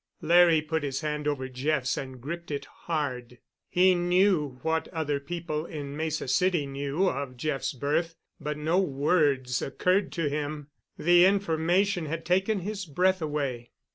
Larry put his hand over Jeff's and gripped it hard. He knew what other people in Mesa City knew of Jeff's birth, but no words occurred to him. The information had taken his breath away.